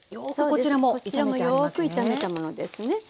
こちらもよく炒めたものですね。